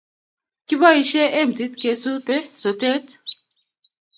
Kiboishe emtit kesute sotet